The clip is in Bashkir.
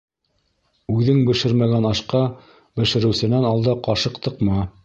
Үҙең бешермәгән ашҡа бешереүсенән алда ҡашыҡ тыҡма.